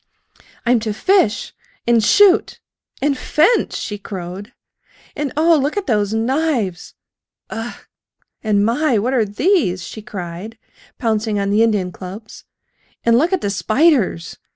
"I'm to fish and shoot and fence!" she crowed. "And, oh! look at those knives! U ugh!... And, my! what are these?" she cried, pouncing on the Indian clubs. "And look at the spiders!